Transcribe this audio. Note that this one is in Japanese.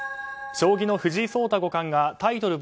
将棋の藤井聡太五冠がタイトル